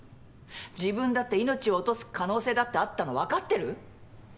自分だって命を落とす可能性だってあったのわかってる？